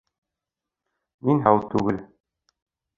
Мин һау түгел.